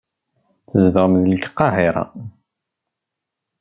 Tzedɣem deg Lqahira.